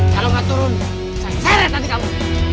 kalau gak turun saya seret nanti kamu